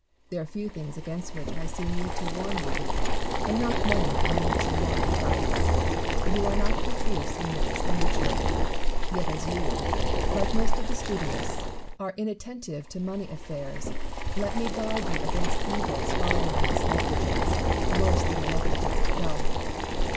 There are few things against which I see need to warn you, and not many on which you want advice. You are not profuse in your expenditure ; yet as you, like most of the studious, 202 IMAGINARY CONVERSATIONS. are inattentive to money affairs, let me guard you against evils following on this negligence, worse than the negligence itself.